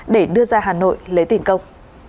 để đưa ra hà nội lấy tiền công